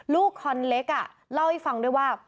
ลูกคนเล็กเล่าให้ฟังด้วยว่า